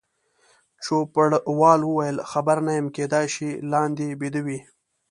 چوپړوال وویل: خبر نه یم، کېدای شي لاندې بیده وي.